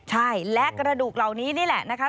ใช่และกระดูกเหล่านี้นี่แหละนะคะ